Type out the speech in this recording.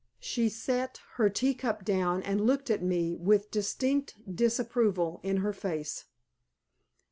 She set her tea cup down, and looked at me with distinct disapproval in her face.